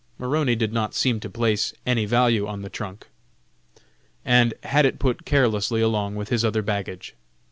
Maroney did not seem to place any value on the trunk, and had it put carelessly along with his other baggage.